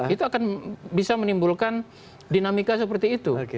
itu akan bisa menimbulkan dinamika seperti itu